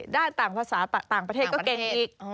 ได้ต่างภาษาต่างประเทศก็เก่งอีก